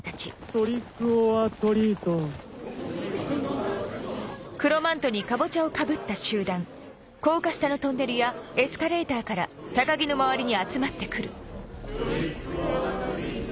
トリックオアトリートトリックオアトリート。